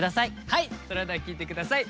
はいそれでは聴いて下さい。